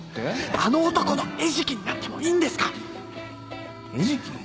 あの男の餌食になってもいいんですか⁉餌食？